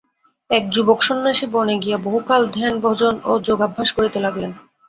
এক যুবক সন্ন্যাসী বনে গিয়া বহুকাল ধ্যান-ভজন ও যোগাভ্যাস করিতে লাগিলেন।